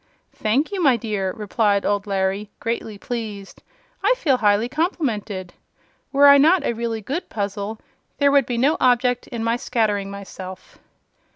"Thank you, my dear," replied old Larry, greatly pleased. "I feel highly complimented. Were I not a really good puzzle, there would be no object in my scattering myself."